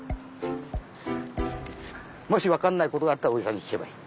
もしわかんないことがあったらおじさんにきけばいい。